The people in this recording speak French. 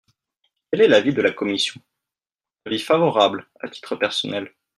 Quel est l’avis de la commission ? Avis favorable, à titre personnel.